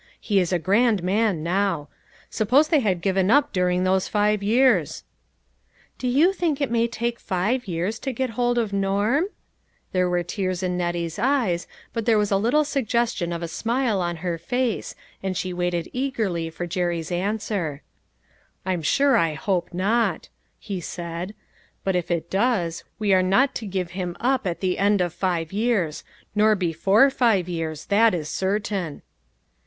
He is a grand man now. Sup pose they had given up during those five years !"" Do you think it may take five years to get hold of Norm ?" There were tears in Nettie's eyes, but there was a little suggestion of a smile on her face, and she waited eagerly for Jerry's answer. " I'm sure I hope not," he said, " but if it does, we are not to give him up at the end of five years; nor before five years, that is cer tain."